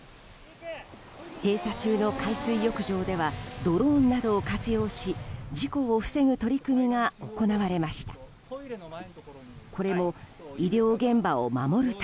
閉鎖中の海水浴場ではドローンなどを活用し事故を防ぐ取り組みが行われました。